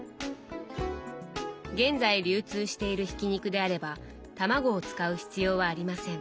「現在流通している挽き肉であれば卵を使う必要はありません。